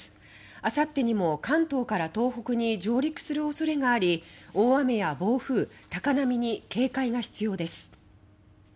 あさってにも関東から東北に上陸する恐れがあり大雨や暴風、高波に警戒が必要です。